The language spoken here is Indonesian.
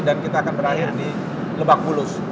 dan kita akan berakhir di lebakbulus